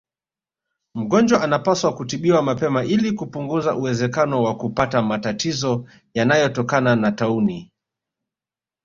Mgonjwa anapaswa kutibiwa mapema ili kupunguza uwezekano wa kupata matatizo yanayotokana na taunii